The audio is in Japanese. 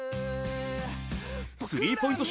スリーポイント